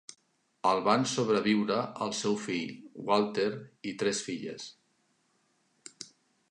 El van sobreviure el seu fill, Walter, i tres filles.